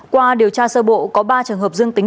qua điều tra sơ bộ có ba trường hợp dương tính